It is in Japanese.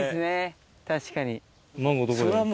確かに。